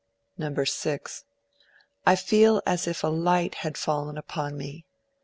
(2) I feel as if a light had fallen upon me.